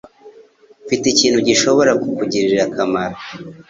Mfite ikintu gishobora kukugirira akamaro.